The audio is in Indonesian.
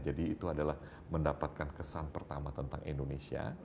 jadi itu adalah mendapatkan kesan pertama tentang indonesia